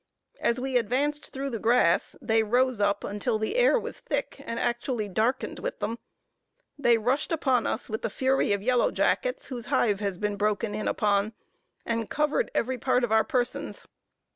As we advanced through the grass, they rose up until the air was thick, and actually darkened with them. They rushed upon us with the fury of yellow jackets, whose hive has been broken in upon, and covered every part of our persons.